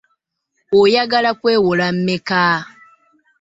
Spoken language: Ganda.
Oyagala kwewola mmeka?